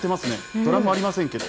ドラムありませんけど。